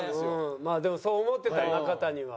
まあでもそう思ってた中谷は。